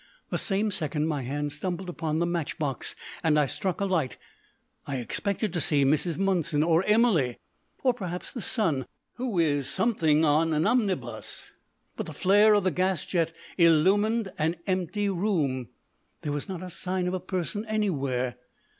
The same second my hand stumbled upon the match box, and I struck a light. I expected to see Mrs. Monson, or Emily, or perhaps the son who is something on an omnibus. But the flare of the gas jet illumined an empty room; there was not a sign of a person anywhere.